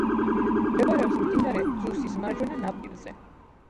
მდებარეობს მდინარე ძუსის მარჯვენა ნაპირზე.